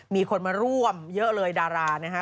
มีคนมาร่วมเยอะเลยดารานะฮะ